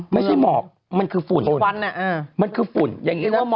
ไม่ใช่หมอกมันคือฝุ่นมันคือฝุ่น